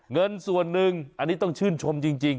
เงินส่วนหนึ่งอันนี้ต้องชื่นชมจริง